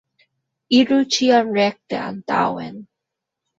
Iru ĉiam rekte antaŭen.